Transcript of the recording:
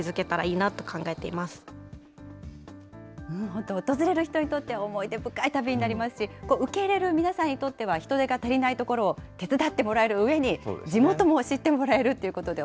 本当、訪れる人にとって、思い出深い旅になりますし、受け入れる皆さんにとっては、人手が足りないところを手伝ってもらえるうえに、地元も知ってもらえるっていうことで、